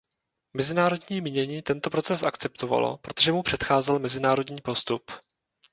Mezinárodní mínění tento proces akceptovalo, protože mu předcházel mezinárodní postup.